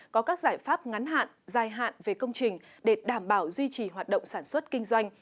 có các giải pháp ngắn hạn dài hạn về công trình để đảm bảo duy trì hoạt động sản xuất kinh doanh